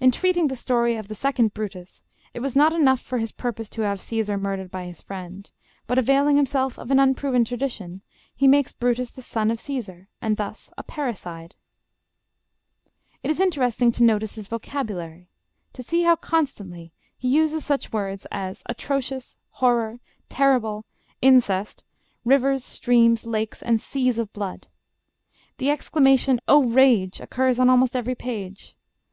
In treating the story of the second Brutus, it was not enough for his purpose to have Caesar murdered by his friend; but, availing himself of an unproven tradition, he makes Brutus the son of Caesar, and thus a parricide. [Illustration: V. ALFIERI] It is interesting to notice his vocabulary; to see how constantly he uses such words as "atrocious," "horror," "terrible," "incest," "rivers," "streams," "lakes," and "seas" of blood. The exclamation, "Oh, rage" occurs on almost every page.